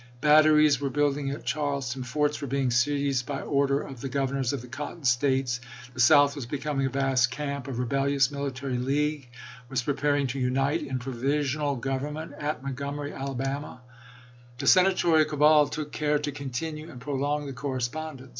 Batteries were building at Charleston ; forts were being seized by order of the Governors of the Cotton States ; the South was becoming a vast camp ; a rebellious military league was preparing to unite in provisional government at Montgomery, Alabama. Vol. III.— 11 162 ABRAHAM LINCOLN Hayue to The Senatorial cabal took care to continue and prolong the correspondence.